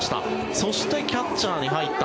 そして、キャッチャーに入った。